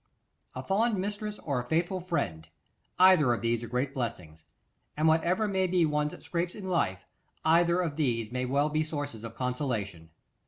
A fond mistress or a faithful friend, either of these are great blessings; and whatever may be one's scrapes in life, either of these may well be sources of consolation.